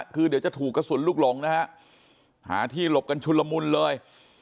คือเดี๋ยวจะถูกกระสุนลูกหลงนะฮะหาที่หลบกันชุนละมุนเลย